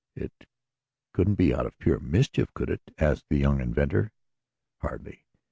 "It couldn't be out of pure mischief; could it?" asked the young inventor. "Hardly.